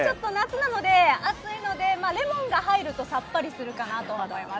でも夏なので暑いのでレモンが入るとさっぱりするかなと思います。